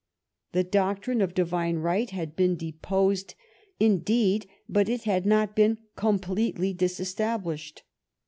The doctrine of divine right had been deposed, indeed, but it had not been completely disestablished.